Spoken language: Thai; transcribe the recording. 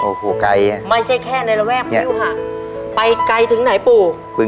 โอ้โหไกล